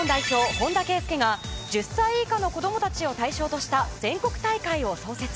本田圭佑が１０歳以下の子供たちを対象とした全国大会を創設。